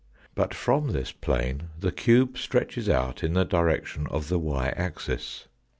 But from this plane the cube stretches out in the direction of the y axis.